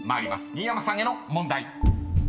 新山さんへの問題］